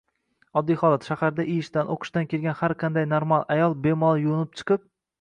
Oddiy holat: shaharda ishdan, o‘qishdan kelgan har qanday normal ayol bemalol yuvinib chiqib